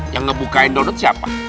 yang ngebukain download siapa